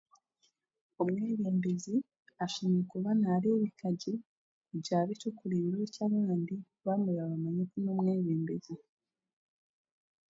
Omwebembezi ashemereire kuba naareebeka gye kugira abe ekyokureeberaho ky'abandi baamanya ngu n'omwebembezi